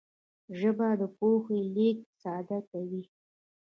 ژبه د پوهې لېږد ساده کوي